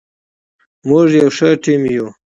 موږ یو ښه ټیم یو.